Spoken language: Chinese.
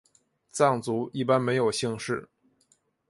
藏族一般没有姓氏。